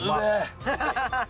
ハハハハ。